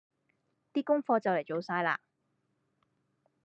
的功課就嚟做晒喇